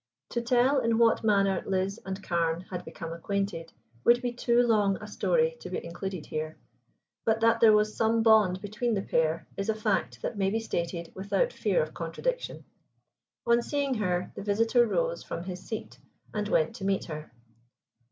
To tell in what manner Liz and Carne had become acquainted would be too long a story to be included here. But that there was some bond between the pair is a fact that may be stated without fear of contradiction. On seeing her, the visitor rose from his seat and went to meet her.